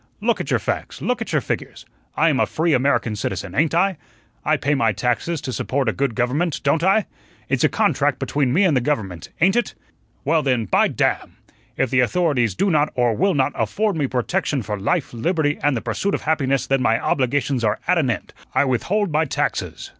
Look at your facts, look at your figures. I am a free American citizen, ain't I? I pay my taxes to support a good government, don't I? It's a contract between me and the government, ain't it? Well, then, by damn! if the authorities do not or will not afford me protection for life, liberty, and the pursuit of happiness, then my obligations are at an end; I withhold my taxes.